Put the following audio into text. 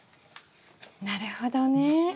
なるほどね。